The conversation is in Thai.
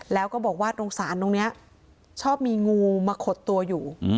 แล้วก็บอกว่าตรงศาลตรงนี้ชอบมีงูมาขดตัวอยู่